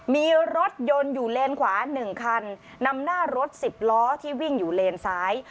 มีรถยนต์อยู่เลนขวา๑คันนำหน้ารถสิบล้อที่วิ่งอยู่เลนซ้าย